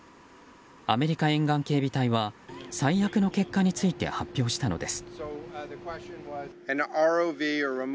アメリカ沿岸警備隊は最悪の結果について発表したのです。